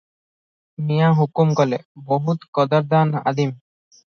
ମିଆଁ ହୁକୁମ କଲେ, "ବହୁତ କଦରଦାନ୍ ଆଦିମ୍ ।